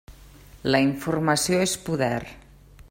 La informació és poder.